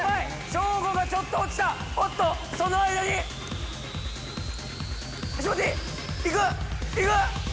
ショーゴがちょっと落ちたおっとその間に橋本いくいく？